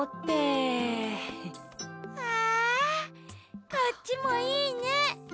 わこっちもいいね。